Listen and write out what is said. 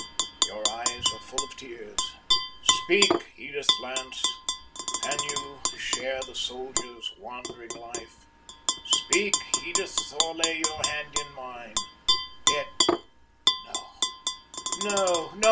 Your eyes are full of tears. Speak, Edith Lance! Can you share the soldier's wandering life? Speak, Edith, or lay your hand in mine. Yet, no! no! no!